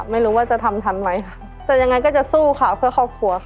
ไม่รู้ว่าจะทำทันไหมค่ะแต่ยังไงก็จะสู้ค่ะเพื่อครอบครัวค่ะ